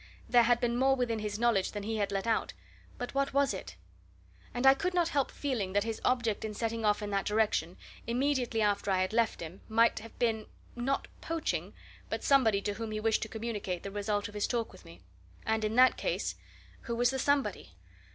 There had been more within his knowledge than he had let out but what was it? And I could not help feeling that his object in setting off in that direction, immediately after I had left him, might have been, not poaching, but somebody to whom he wished to communicate the result of his talk with me. And, in that case, who was the somebody?